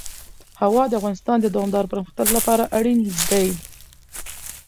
هوا د افغانستان د دوامداره پرمختګ لپاره اړین دي.